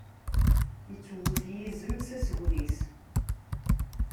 Ittuwwet yizem s asgen-is.